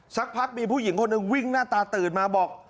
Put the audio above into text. สักพักมีผู้หญิงคนหนึ่งวิ่งหน้าตาตื่นมาบอก